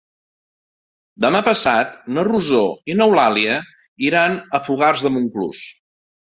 Demà passat na Rosó i n'Eulàlia iran a Fogars de Montclús.